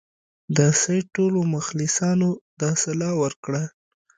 د سید ټولو مخلصانو دا سلا ورکړه.